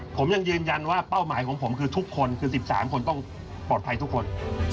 ผมยังยืนยันว่าเป้าหมายของผมคือทุกคนคือ๑๓คนต้องปลอดภัยทุกคน